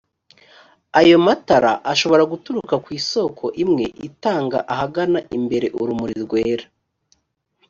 ayo matara ashobora guturuka kw isoko imwe itanga ahagana imbere urumuli rwera